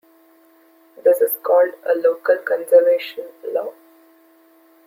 This is called a "local conservation" law.